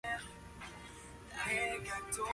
Mayorga is married and has three children.